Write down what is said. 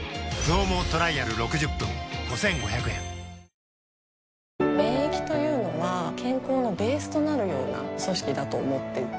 この格好ボンジュールいいね免疫というのは健康のベースとなるような組織だと思っていて。